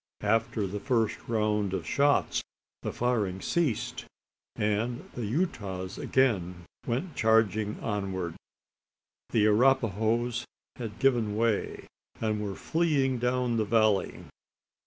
After the first round of shots, the firing ceased; and the Utahs again went charging onward. The Arapahoes had given way, and were fleeing down the valley.